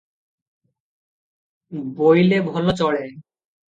ବୋଇଲେ ଭଲ ଚଳେ ।